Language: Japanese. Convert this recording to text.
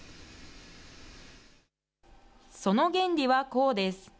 その原理はこうです。